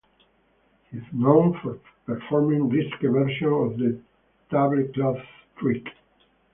He is known for performing risque versions of the tablecloth trick.